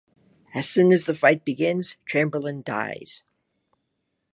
As soon as the fight begins, Chamberlain dies.